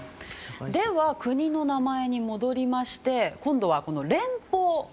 では、国の名前に戻りまして今度は連邦。